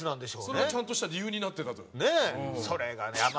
それがちゃんとした理由になってたと。